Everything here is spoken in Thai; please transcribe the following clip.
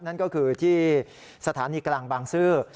นั่นก็คือที่สถานีกลางบางซื่อ